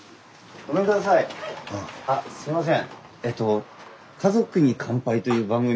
あすいません。